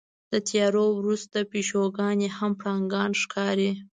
د تیارو وروسته پیشوګانې هم پړانګان ښکاري.